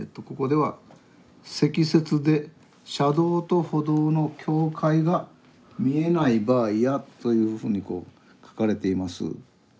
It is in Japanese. ここでは「積雪で車道と歩道の境界が見えない場合や」というふうにこう書かれています。